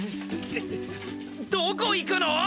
どこ行くの！？